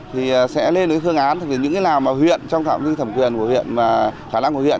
thì sẽ lên những phương án những cái nào mà huyện trong thẩm quyền của huyện khả năng của huyện